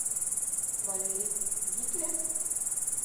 — Валерий, витле?